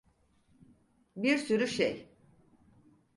Bir sürü şey.